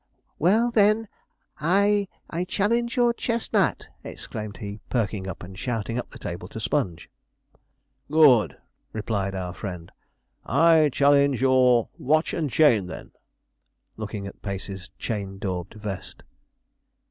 'Well, then, I challenge your chestnut!' exclaimed he, perking up, and shouting up the table to Sponge. 'Good!' replied our friend. 'I challenge your watch and chain, then,' looking at Pacey's chain daubed vest.